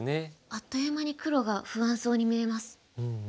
あっという間に黒が不安そうに見えます。